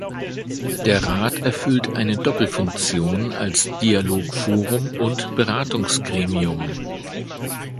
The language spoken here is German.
Der Rat erfüllt eine Doppelfunktion als Dialogforum und Beratungsgremium.